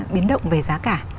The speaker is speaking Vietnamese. biến động về giá cả